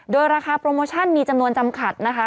โดยราคาโปรโมชั่นมีจำนวนจำขัดนะคะ